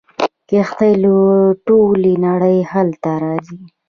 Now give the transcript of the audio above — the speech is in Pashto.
کښتۍ له ټولې نړۍ هلته راځي.